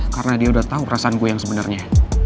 karena dia udah tau kerasaan gue yang sebenernya